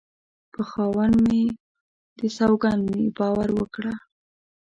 په خاوند مې دې سوگند وي باور وکړه